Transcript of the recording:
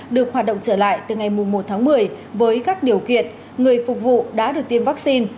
được hoạt động trở lại từ ngày một tháng một mươi với các điều kiện người phục vụ đã được tiêm vaccine